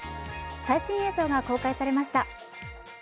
最新映像が公開されました。